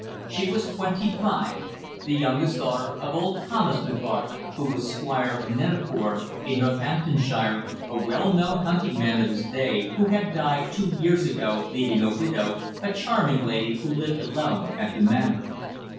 She was twenty five, the youngest daughter of old Thomas Mivart, who was squire of Neneford, in Northamptonshire, a well known hunting man of his day, who had died two years ago leaving a widow, a charming lady, who lived alone at the Manor.